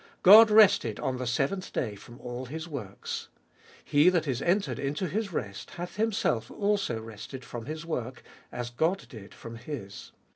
God rested on the seventh day from all His works. He that is entered into His rest, hath himself also rested from his work, as God did from His.